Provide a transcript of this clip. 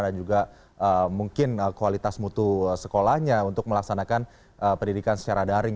dan juga mungkin kualitas mutu sekolahnya untuk melaksanakan pendidikan secara daring